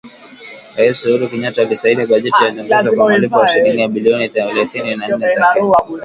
Rais Uhuru Kenyatta alisaini bajeti ya nyongeza kwa malipo ya shilingi bilioni thelathini na nne za Kenya.